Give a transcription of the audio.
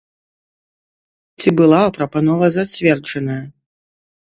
Ці была прапанова зацверджаная?